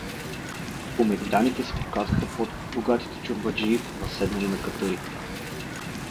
По мегданите се показаха по-богатите чорбаджии, възседнали на катъри.